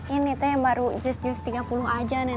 ini teh yang baru just jus tiga puluh aja nih